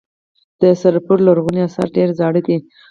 د سرپل لرغوني اثار ډیر زاړه دي